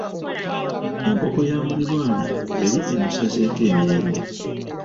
Enkoko ya muliraanwa yali emusazeeko emirembe.